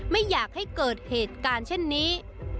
ไม่อยากให้เกิดเหตุการณ์เช่นนี้